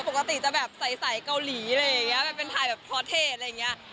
ปกติจะแบบใสเกาหลีอะไรอย่างเงี้ยแบบเป็นถ่ายแบบพอเทจอะไรอย่างนี้